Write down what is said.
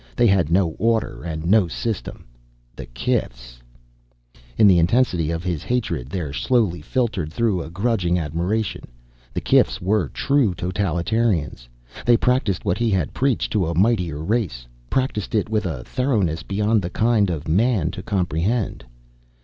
They had no order and no system. The kifs In the intensity of his hatred there slowly filtered through a grudging admiration. The kifs were true totalitarians. They practiced what he had preached to a mightier race, practiced it with a thoroughness beyond the kind of man to comprehend.